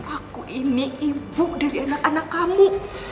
aku ini ibu dari anak anak kamu